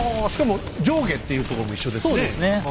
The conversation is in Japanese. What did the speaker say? しかも上下っていうところも一緒ですね。